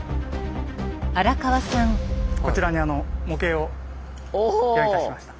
こちらに模型を用意いたしました。